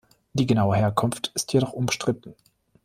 Die genaue Herkunft ist jedoch umstritten.